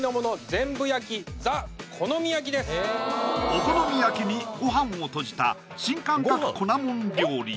お好み焼きにご飯をとじた新感覚・粉もん料理！